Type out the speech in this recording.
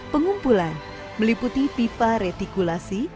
pengumpulan meliputi pipa retikulasi